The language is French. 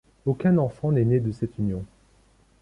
Aucun enfant n’est né de cette union.